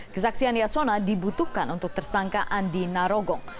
kesaksian yasona dibutuhkan untuk tersangkaan di narogong